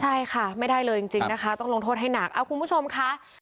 ใช่ค่ะไม่ได้เลยจริงนะคะต้องลงโทษให้หนัก